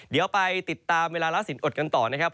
เดี๋ยวไปติดตามเวลาละสินอดกันต่อนะครับ